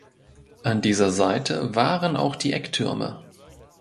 An dieser Seite waren auch die Ecktürme.